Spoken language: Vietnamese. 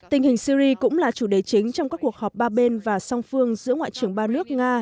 tình hình syri cũng là chủ đề chính trong các cuộc họp ba bên và song phương giữa ngoại trưởng ba nước nga